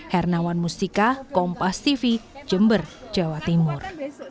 hernawan mustika kompas tv jember jawa timur